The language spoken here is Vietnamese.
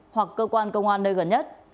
hoặc cơ quan công an nơi gần nhất